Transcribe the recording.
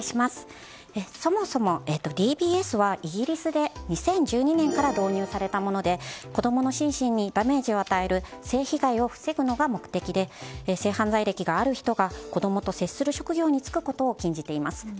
そもそも、ＤＢＳはイギリスで２０１２年から導入されたもので子供の心身にダメージを与える性被害を防ぐのが目的で性犯罪歴がある人が子供と接する職業に就くことを禁じています。